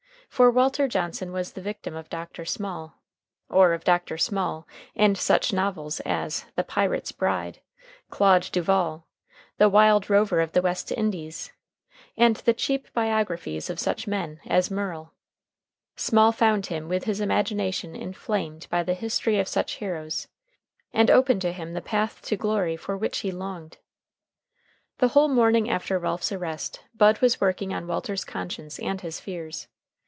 For Walter Johnson was the victim of Dr. Small, or of Dr. Small and such novels as "The Pirate's Bride," "Claude Duval," "The Wild Rover of the West Indies," and the cheap biographies of such men as Murrell. Small found him with his imagination inflamed by the history of such heroes, and opened to him the path to glory for which he longed. The whole morning after Ralph's arrest Bud was working on Walter's conscience and his fears.